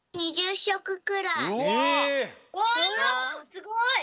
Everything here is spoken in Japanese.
すごい！